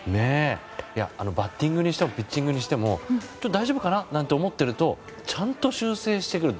バッティングにしてもピッチングにしても大丈夫かな？と思っているとちゃんと修正してくる。